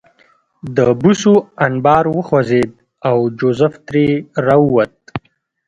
د بوسو انبار وخوځېد او جوزف ترې راووت